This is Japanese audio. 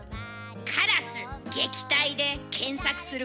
「カラス撃退」で検索すること。